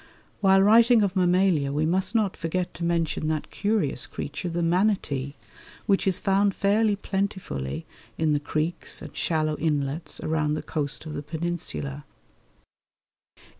While writing of Mammalia we must not forget to mention that curious creature the manatee, which is found fairly plentifully in the creeks and shallow inlets around the coast of the Peninsula.